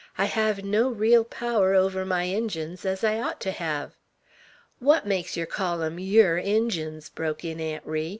"I have no real power over my Indians, as I ought to have." "What makes yer call 'em yeour Injuns?" broke in Aunt Ri.